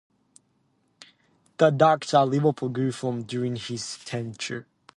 The docks at Liverpool grew from during his tenure.